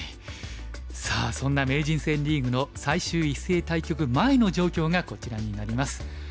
さあそんな名人戦リーグの最終一斉対局前の状況がこちらになります。